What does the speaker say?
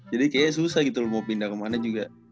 jadi kayaknya susah gitu lu mau pindah kemana juga